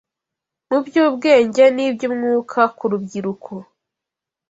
mu by’ubwenge n’iby’umwuka ku rubyiruko